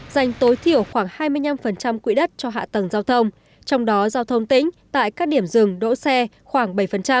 dành tối thiểu khoảng hai mươi năm quỹ đất cho hạ tầng giao thông trong đó giao thông tỉnh tại các điểm dừng đỗ xe khoảng bảy